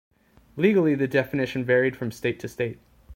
Legally the definition varied from state to state.